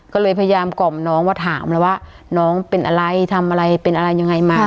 ก็เลยพยายามกล่อมน้องว่าถามแล้วว่าน้องเป็นอะไรทำอะไรเป็นอะไรยังไงมา